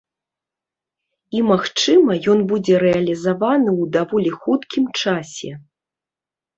І, магчыма, ён будзе рэалізаваны ў даволі хуткім часе.